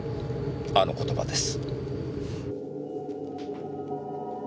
あの言葉です。